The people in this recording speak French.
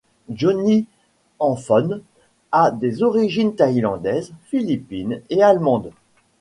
Johnny Anfone a des origines thaïlandaises, philippines et allemandes.